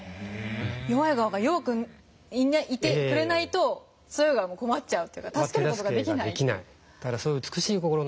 弱い側が弱くいてくれないと強い側も困っちゃうというか助ける事ができない。